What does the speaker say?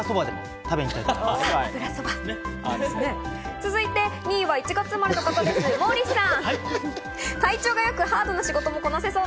続いて４位は７月生まれの方です、坂口さん。